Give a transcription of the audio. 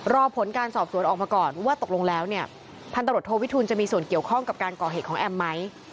รอผลการสอบสวนออกมาก่อนว่าตกลงแล้วเนี่ยพันตรวจโทวิทูลจะมีส่วนเกี่ยวข้องกับการก่อเหตุของแอมไหม